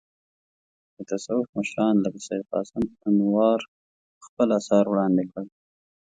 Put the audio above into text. د تصوف مشران لکه سید قاسم انوار خپل اثار وړاندې کړل.